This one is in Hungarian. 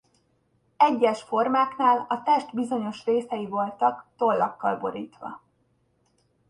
Egyes formáknál a test bizonyos részei voltak tollakkal borítva.